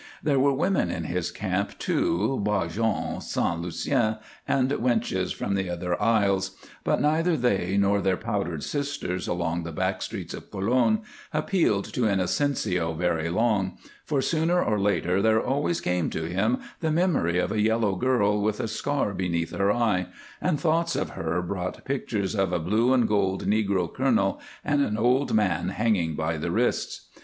There were women in his camp, too, 'Bajans, Sant' Lucians, and wenches from the other isles, but neither they nor their powdered sisters along the back streets of Colon appealed to Inocencio very long, for sooner or later there always came to him the memory of a yellow girl with a scar beneath her eye, and thoughts of her brought pictures of a blue and gold negro colonel and an old man hanging by the wrists.